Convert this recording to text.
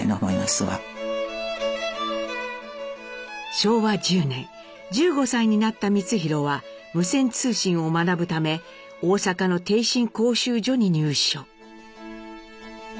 昭和１０年１５歳になった光宏は無線通信を学ぶため大阪の逓信講習所に入所。